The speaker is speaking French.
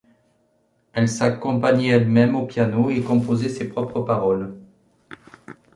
Elle s'accompagnait elle-même au piano et composait ses propres paroles.